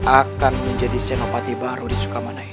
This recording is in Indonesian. akan menjadi senopati baru di sukamana ini